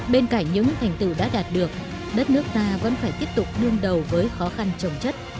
bên cạnh những thành tựu đã đạt được đất nước ta vẫn phải tiếp tục đương đầu với khó khăn trồng chất